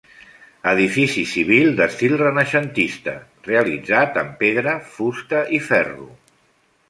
Edifici civil d'estil renaixentista, realitzat amb pedra, fusta i ferro.